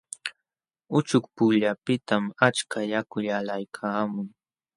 Uchuk pukyullapiqtam achka yaku yalqaykaamun.